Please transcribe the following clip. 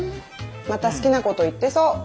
また好きなこと言ってそう。